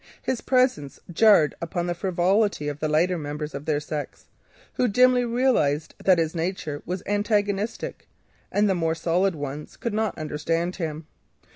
His presence jarred upon the frivolity of the lighter members of their sex, who dimly realised that his nature was antagonistic, and the more solid ones could not understand him.